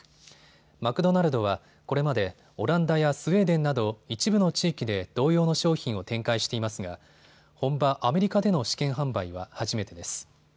マクドナルドは、これまでオランダやスウェーデンなど一部の地域で同様の商品を展開していますが本場アメリカでの試験販売は初めてです。